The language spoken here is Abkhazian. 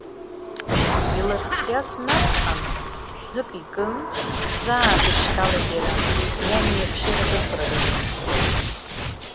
Илырхиаз днацҳан, ӡык икын, заа дышьҭалеит иара, иани иаҳәшьеи рыкрыфара дазымԥшкәан.